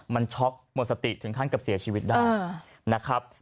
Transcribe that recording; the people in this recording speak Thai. มันช็อกหมดสติถึงขั้นกับเสียชีวิตได้นะครับ